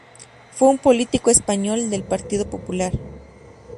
Fue un político español del Partido Popular.